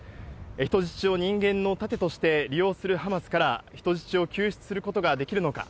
人質を人間の盾として利用するハマスから、人質を救出することができるのか。